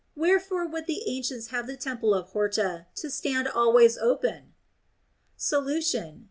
Wherefore would the ancients have the temple of Horta to stand always open? Solution.